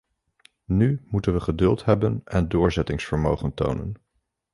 Nu moeten we geduld hebben en doorzettingsvermogen tonen.